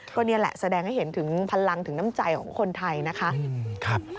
ก็นี่แหละแสดงให้เห็นถึงพลังถึงน้ำใจของคนไทยนะคะ